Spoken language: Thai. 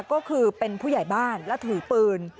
มันหนึ่งคือผู้ใหญ่บ้านแล้วถือปืน